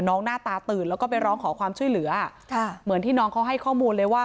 หน้าตาตื่นแล้วก็ไปร้องขอความช่วยเหลือค่ะเหมือนที่น้องเขาให้ข้อมูลเลยว่า